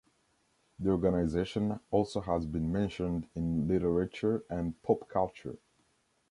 The organization also has been mentioned in literature and pop culture.